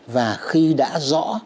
và khi đã rõ